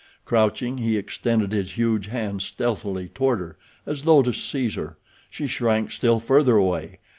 Crouching, he extended his huge hand stealthily toward her, as though to seize her. She shrank still further away.